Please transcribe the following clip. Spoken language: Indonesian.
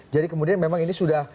jadi kemudian memang ini sudah